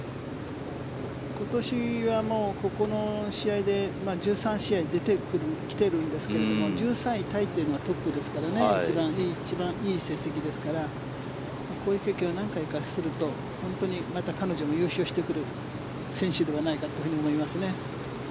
今年はもう、ここの試合で１３試合出てきているんですが１３位タイというのがトップですからね一番いい成績ですからこういう経験を何回かすると本当に彼女もまた優勝してくる選手ではないかと思いますね。